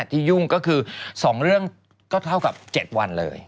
ยุ่งก็คือ๒เรื่องก็เท่ากับ๗วันเลย